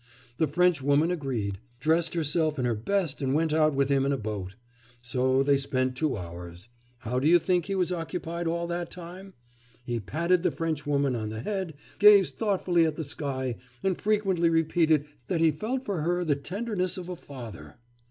The Frenchwoman agreed; dressed herself in her best and went out with him in a boat. So they spent two hours. How do you think he was occupied all that time? He patted the Frenchwoman on the head, gazed thoughtfully at the sky, and frequently repeated that he felt for her the tenderness of a father.